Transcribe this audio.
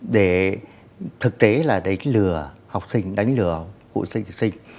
để thực tế là đánh lừa học sinh đánh lừa phụ sinh